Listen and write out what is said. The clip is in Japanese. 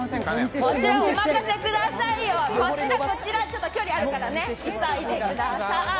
こちらお任せくださいよ、こちら距離あるから急いでください。